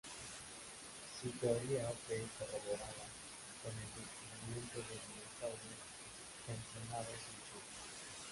Su teoría fue corroborada con el descubrimiento de dinosaurios emplumados en China.